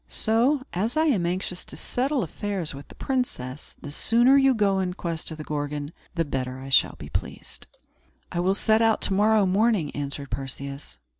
So, as I am anxious to settle affairs with the princess, the sooner you go in quest of the Gorgon, the better I shall be pleased." "I will set out to morrow morning," answered Perseus.